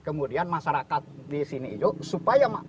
kemudian masyarakat di sini juga supaya mak